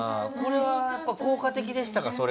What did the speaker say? これはやっぱ効果的でしたか？